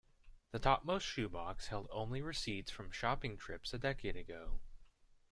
The topmost shoe box held only receipts from shopping trips a decade ago.